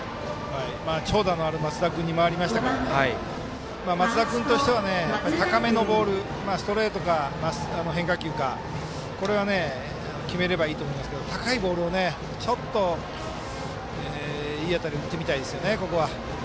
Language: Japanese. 長打のある松田君に回りましたから松田君としては高めのボール変化球か、ストレートかこれは決めればいいと思いますが高いボールをちょっといい当たり打ってみたいですよね、ここは。